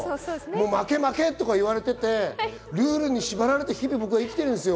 まけまけって言われてて、ルールに縛られて日々僕は生きてるんですよ。